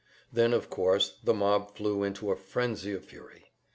Then, of course, the mob flew into a frenzy of fury.